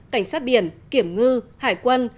cảnh sát biển kiểm ngư hải quân